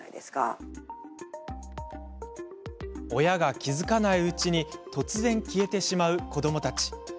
親が気付かないうちに突然消えてしまう子どもたち。